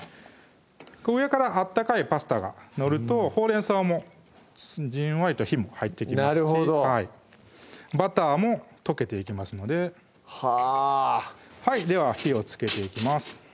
上から温かいパスタが載るとほうれん草もじんわりと火も入っていきますしバターも溶けていきますのではぁでは火をつけていきます